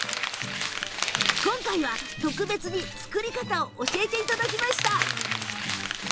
今回は特別に作り方を教えていただきました。